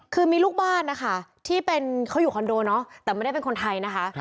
คือมีลูกบ้านนะคะที่เป็นเขาอยู่คอนโดเนาะแต่ไม่ได้เป็นคนไทยนะคะ